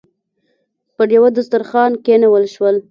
پر یوه دسترخوان کېنول شول.